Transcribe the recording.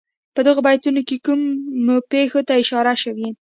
په دغو بیتونو کې کومو پېښو ته اشاره شوې.